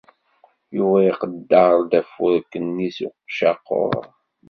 Yuba iqedder-d afurk-nni s ucaqur.